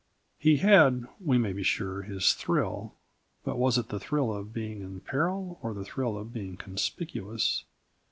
He had we may be sure, his thrill, but was it the thrill of being in peril or the thrill of being conspicuous?